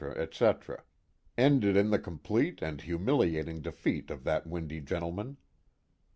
etc.," ended in the complete and humiliating defeat of that windy gentleman.